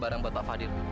barang buat pak fadil